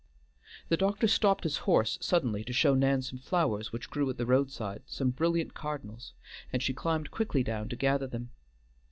The doctor stopped his horse suddenly to show Nan some flowers which grew at the roadside, some brilliant cardinals, and she climbed quickly down to gather them.